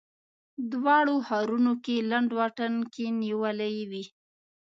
دواړو ښارونو کې لنډ واټن کې نیولې وې.